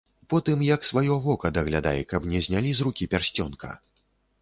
Потым, як сваё вока даглядай, каб не знялі з рукі пярсцёнка!